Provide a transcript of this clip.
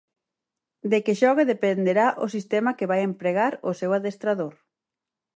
De que xogue dependerá o sistema que vai empregar o seu adestrador.